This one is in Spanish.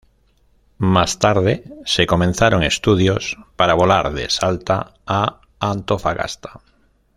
Más tarde se comenzaron estudios para volar de Salta a Antofagasta.